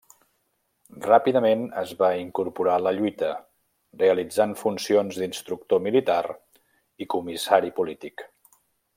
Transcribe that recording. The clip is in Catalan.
Ràpidament es va incorporar a la lluita, realitzant funcions d'instructor militar i comissari polític.